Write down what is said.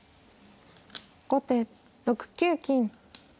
後手６九金。